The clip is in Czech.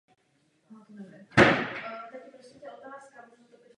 Poté je i Jill poslána do Narnie.